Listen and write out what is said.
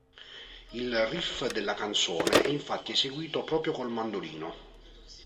Il riff della canzone è infatti eseguito proprio col mandolino.